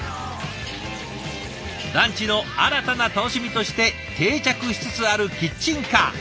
ランチの新たな楽しみとして定着しつつあるキッチンカー。